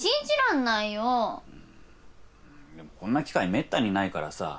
うんでもこんな機会めったにないからさ。